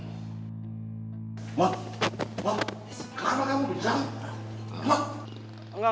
terus om avrak mut menyak